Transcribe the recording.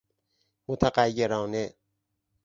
متغیرانه